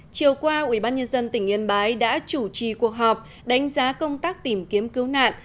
chiều qua ubnd tỉnh yên bái đã chủ trì cuộc họp đánh giá công tác tìm kiếm cứu nạn